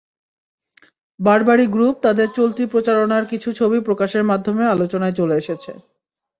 বারবারি group তাদের চলতি প্রচারণার কিছু ছবি প্রকাশের মাধ্যমে আলোচনায় চলে এসেছে।